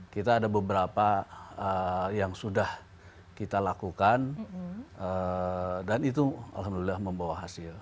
kita ada beberapa yang sudah kita lakukan dan itu alhamdulillah membawa hasil